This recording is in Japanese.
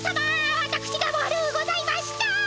わたくしが悪うございました！